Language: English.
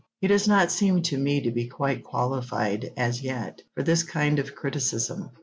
He does not seem to me to be quite qualified, as yet, for this kind of criticism.